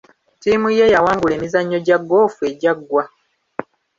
Ttiimu ye yawangula emizannyo gya goofu egyaggwa.